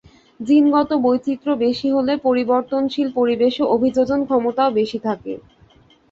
জিনগত বৈচিত্র্য বেশি হলে পরিবর্তনশীল পরিবেশে অভিযোজন ক্ষমতাও বেশি থাকে।